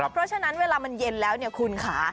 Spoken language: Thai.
เพราะฉะนั้นเวลามันเย็นแล้วเนี่ยคุณค่ะ